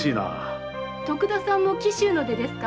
徳田さんも紀州の出ですか？